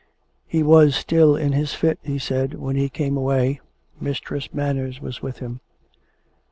" He was still in his fit/' he said, " when we came away. Mistress Manners was with him."